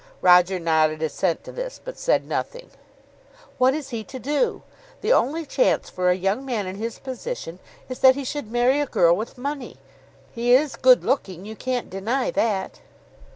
Roger nodded assent to this, but said nothing. "What is he to do? The only chance for a young man in his position is that he should marry a girl with money. He is good looking; you can't deny that."